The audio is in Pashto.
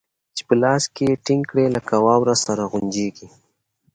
چې په لاس کښې يې ټينګ کړې لکه واوره سره غونجېږي.